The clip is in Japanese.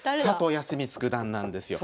康光九段なんですよ。